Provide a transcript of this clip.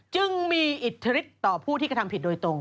จึงมีอิทธิฤทธิต่อผู้ที่กระทำผิดโดยตรง